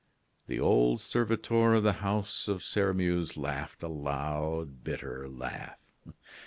The old servitor of the house of Sairmeuse laughed a loud, bitter laugh.